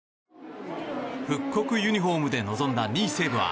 復刻ユニホームで臨んだ２位、西武は